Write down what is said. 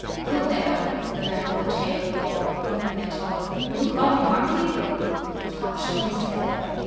"You there!" the man on the table called, looking at Tom. "You call me Monkey?" Tom shook his head.